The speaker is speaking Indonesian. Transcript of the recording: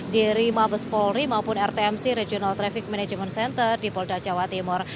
di rima bespolri maupun rtmc regional traffic management center di polda jawa timur